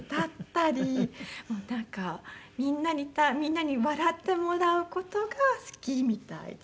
なんかみんなに笑ってもらう事が好きみたいです。